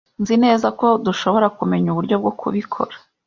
Nzi neza ko dushobora kumenya uburyo bwo kubikora.